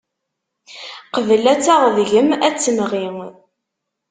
Qbel ad taɣ deg-m, ad temɣi.